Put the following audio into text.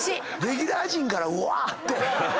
レギュラー陣から「うわっ」って。